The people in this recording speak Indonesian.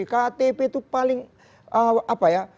ktp itu paling apa ya